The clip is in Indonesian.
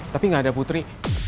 tapi gak ada putri